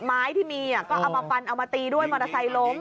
ไม้ที่เรียกอ่ะก็เอาไว้ฟันด้วยมอเตอร์ไซส์ล้ม